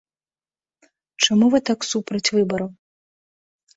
Чаму вы так супраць выбару?